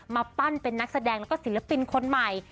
มาปั้นเป็นนักแสดงแล้วก็ศิลปินคนใหม่